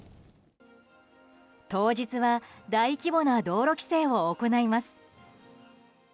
当日は大規模な道路規制を行います。